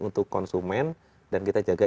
untuk konsumen dan kita jaga